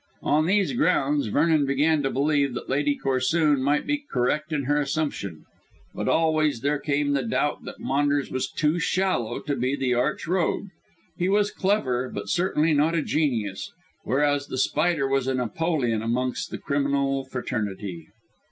On these grounds Vernon began to believe that Lady Corsoon might be correct in her assumption. But always there came the doubt that Maunders was too shallow to be the arch rogue. He was clever, but certainly not a genius, whereas The Spider was a Napoleon amongst the criminal fraternity.